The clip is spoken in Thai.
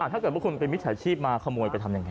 ถ้าเกิดว่าคุณเป็นมิจฉาชีพมาขโมยไปทำยังไง